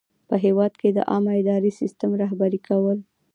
په هیواد کې د عامه اداري سیسټم رهبري کول.